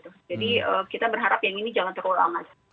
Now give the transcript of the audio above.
jadi kita berharap yang ini jangan terulang aja